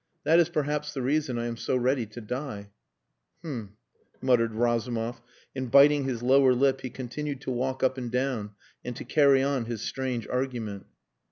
That is perhaps the reason I am so ready to die." "H'm," muttered Razumov, and biting his lower lip he continued to walk up and down and to carry on his strange argument.